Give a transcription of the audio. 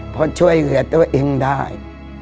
เพราะช่วยเหลือตัวเองได้